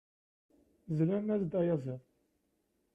Zlan-as-d ayaziḍ.